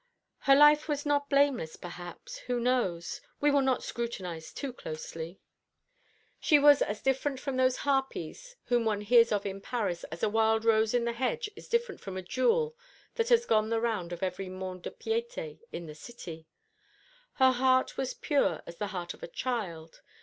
Her life was not blameless, perhaps who knows? We will not scrutinise too closely. She was as different from those harpies whom one hears of in Paris as a wild rose in the hedge is different from a jewel that has gone the round of every Mont de Piété in the city. Her heart was pure as the heart of a child.